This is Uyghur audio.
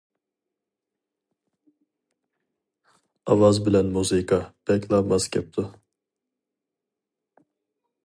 ئاۋاز بىلەن مۇزىكا بەكلا ماس كەپتۇ.